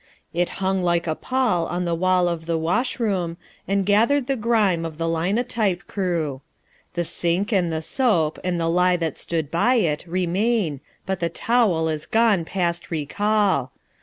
It hung like a pall on the wall of the washroom, And gathered the grime of the linotype crew. The sink and the soap and the lye that stood by it Remain; but the towel is gone past recall.